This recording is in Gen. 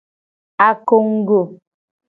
Akongugo.